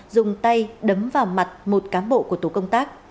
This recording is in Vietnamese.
dùng tay đấm vào mặt một cán bộ của tổ công tác